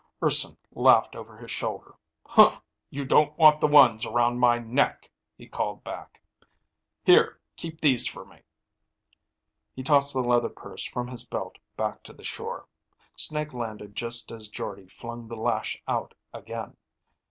Urson laughed over his shoulder. "You don't want the ones around my neck," he called back. "Here, keep these for me." He tossed the leather purse from his belt back to the shore. Snake landed just as Jordde flung the lash out again.